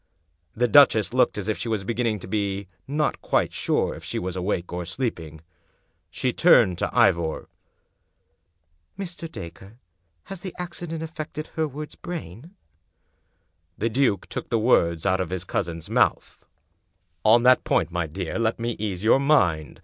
The duchess looked as if she was beginning to be not quite sure if she was awake or sleeping. She turned to Ivor. " Mr. Dacre, has the accident affected Hereward's brain?" The duke took the words out of his cousin's mouth. 295 English Mystery Stories " On that point, my dear, let me ease your mind.